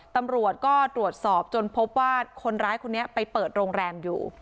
ตำรวจก็ตรวจสอบจนพบว่าคนร้ายคนนี้ไปเปิดโรงแรมอยู่